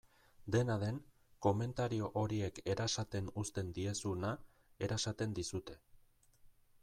Dena den, komentario horiek erasaten uzten diezuna erasaten dizute.